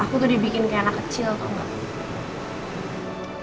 aku tuh dibikin kayak anak kecil tau gak